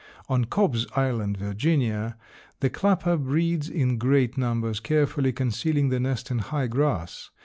On Cobb's Island, Virginia, the clapper breeds in great numbers, carefully concealing the nest in high grass.